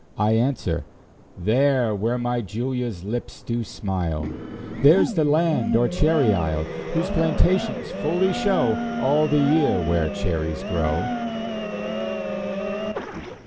I answer, "There, Where my Julia's lips do smile;" There's the land, or cherry isle, Whose plantations fully show All the year where cherries grow!